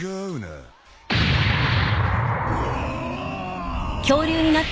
あっ！？